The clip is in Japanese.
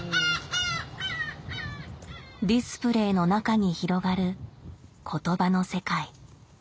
ディスプレーの中に広がる言葉の世界。